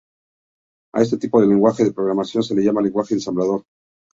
A este tipo de lenguaje de programación se le llama lenguaje ensamblador.